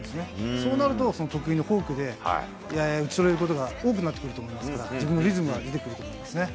そうなると、得意のフォークで打ち取れることが多くなってくると思いますから、自分のリズムが出てくると思うんですね。